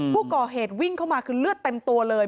ผู้ก่อเหตุวิ่งเข้ามาคือเลือดเต็มตัวเลย